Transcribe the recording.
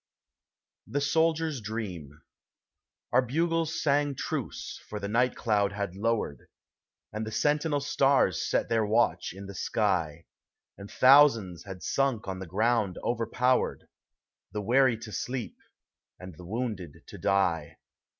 THE SOLDIER'S DREAM. Ouk bugles saug truce, — for the night cloud had lowered. And the sentinel stars set their watch in tin* sky ; And thousands had sunk on the ground over powered, The weary to sleep, and the wounded to die.